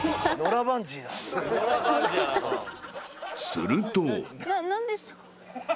［すると］